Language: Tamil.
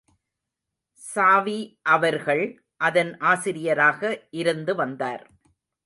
சாவி அவர்கள் அதன் ஆசிரியராக இருந்து வந்தார்.